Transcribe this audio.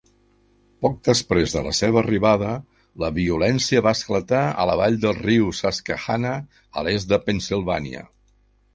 Poc després de la seva arribada, la violència va esclatar a la vall del riu Susquehanna, a l'est de Pennsilvània.